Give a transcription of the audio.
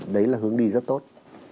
đấy là hướng đi rất tốt